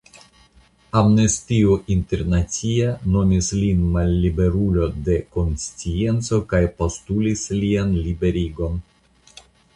Amnestio Internacia nomis lin malliberulo de konscienco kaj postulis lian liberigon.